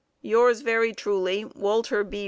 Yours very truly, Walter B.